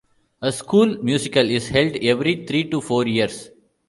A school musical is held every three to four years.